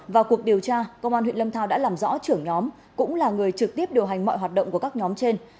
vào cuộc điều tra công an huyện lâm thao đã làm rõ trưởng nhóm cũng là người trực tiếp điều hành mọi hoạt động của các nhóm trên